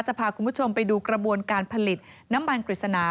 พาคุณผู้ชมไปดูกระบวนการผลิตน้ำมันกฤษณา